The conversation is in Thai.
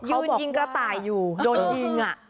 ยืนยิงกระต่ายอยู่โดนยิง